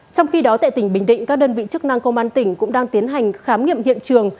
trong khi đó tại tỉnh bình định các đơn vị chức năng công an tỉnh cũng đang tiến hành khám nghiệm hiện trường